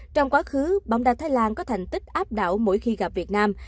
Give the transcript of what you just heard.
trong quá khứ bóng đá thái lan có thành tích áp đảo mỗi khi gặp việt nam